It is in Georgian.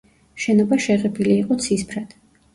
შენობა შეღებილი იყო ცისფრად.